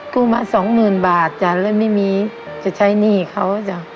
กู้มาสองหมื่นบาทจ้ะเลยไม่มีจะใช้หนี้เขาจ้ะ